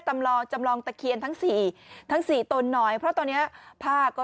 ตำลองจำลองตะเคียนทั้ง๔ทั้ง๔ตนน้อยเพราะตอนนี้พ่าก็